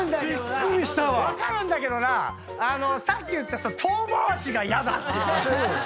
分かるんだけどなさっき言った遠回しがヤダって。